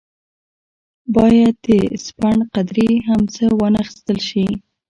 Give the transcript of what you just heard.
باید د سپڼ قدرې هم څه وانه اخیستل شي.